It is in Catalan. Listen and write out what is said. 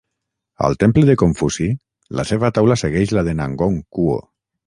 Al Temple de Confuci, la seva taula segueix la de Nangong Kuo.